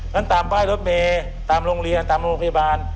ตามป้ายรถเมย์ตามโรงเรียนตามโรงพยาบาล